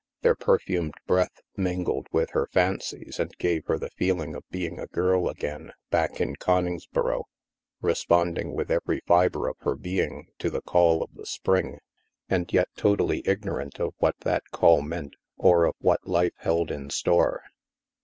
Their perfumed breath min gled with her fancies and gave her the feeling of being a girl again, back in Coningsboro, responding with every fibre of her being to the call of the spring, and yet totally ignorant of what that call meant, or of what life held in store.